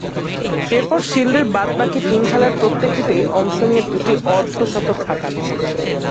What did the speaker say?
এরপর শিল্ডের বাদ-বাকী তিন খেলার প্রত্যেকটিতেই অংশ নিয়ে দুইটি অর্ধ-শতক হাঁকান।